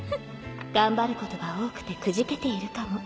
頑張ることが多くてくじけているかも。